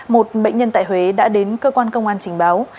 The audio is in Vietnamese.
một bệnh nhân tại huế đã đến cơ quan công an trình báo